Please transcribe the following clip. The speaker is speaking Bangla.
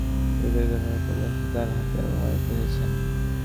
সাধারণ মানুষ, জনপ্রতিনিধি থেকে সরকারি কর্মকর্তা পর্যন্ত তাঁর হাতে অপমানিত হয়েছেন।